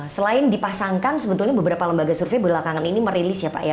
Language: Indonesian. selain dipasangkan sebetulnya beberapa lembaga survei belakangan ini merilis ya pak ya